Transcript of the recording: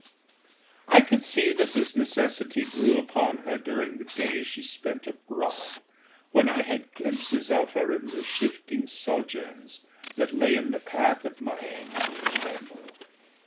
I could see that this necessity grew upon her during the years she spent abroad, when I had glimpses of her in the shifting sojourns that lay in the path of my annual ramble.